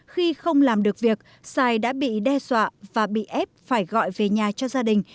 khi không làm được việc sai đã bị đe dọa và bị ép phải gọi về nhà cho gia đình